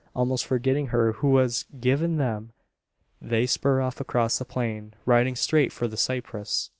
Almost forgetting her who has given them, they spur off across the plain, riding straight for the cypress.